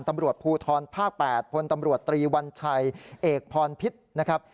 ตำรวจภูทรภาค๘พลตำรวจตรีวัญชัยเอกพรพิษนะครับ